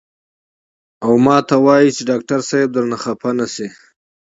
او ماته وائي چې ډاکټر صېب درنه خفه نشي " ـ